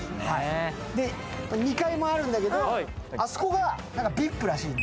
２階もあるんだけど、あそこがＶＩＰらしい。